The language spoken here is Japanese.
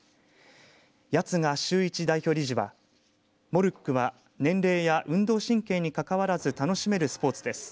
八ツ賀秀一代表理事はモルックは年齢や運動神経にかかわらず楽しめるスポーツです。